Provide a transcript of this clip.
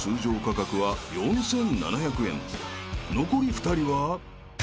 ［残り２人は？］